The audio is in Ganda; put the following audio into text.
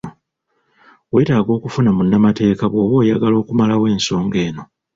Wetaaga okufuna munnamateeka bwoba oyagala okumalawo ensonga eno.